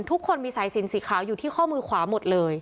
ทุกคนมีสายสินสีขาวอยู่ที่ข้อมือขวาหมดเลย